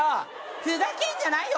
ふざけんじゃないよ